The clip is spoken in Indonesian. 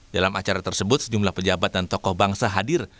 dalam acara tersebut sejumlah pejabat dan tokoh bangsa hadir